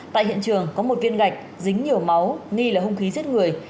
tại hiện trường có một viên gạch dính nhiều máu nghi là hung khí giết người